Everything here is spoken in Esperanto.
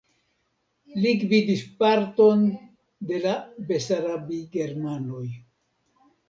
Li gvidis parton de la besarabigermanoj.